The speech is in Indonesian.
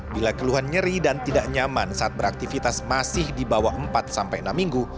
bila keluhan nyeri dan tidak nyaman saat beraktivitas masih di bawah empat sampai enam minggu